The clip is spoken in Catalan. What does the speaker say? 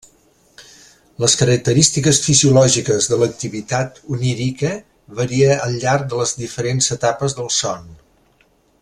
Les característiques fisiològiques de l'activitat onírica varia al llarg de les diferents etapes del son.